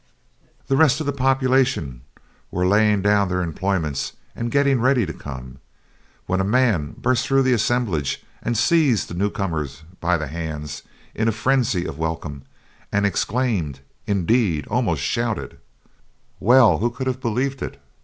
The rest of the population were laying down their employments and getting ready to come, when a man burst through the assemblage and seized the new comers by the hands in a frenzy of welcome, and exclaimed indeed almost shouted: "Well who could have believed it!